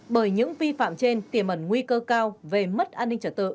bởi những vi phạm trên tiềm ẩn nguy cơ cao về mất an ninh trả tợ